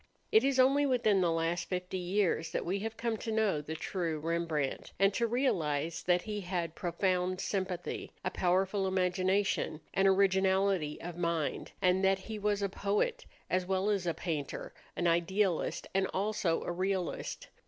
It is only within the last fifty years that we have come to know the true Rembrandt, and to realize that he had profound sympathy, a powerful imagination, and originality of mind, and that he was a poet as well as a painter, an idealist and also a realist.